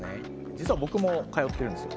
実は僕も通ってるんですよ